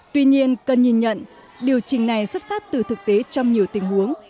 tuy nhiên cần nhìn nhận điều trình này xuất phát từ thực tế trong nhiều tình huống